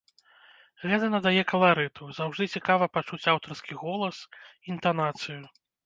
Гэта надае каларыту, заўжды цікава пачуць аўтарскі голас, інтанацыю.